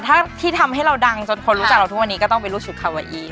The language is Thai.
ถ้าที่ทำให้เราดังจนคนรู้จักเราทุกวันนี้ก็ต้องไปรู้สึกคาวาอี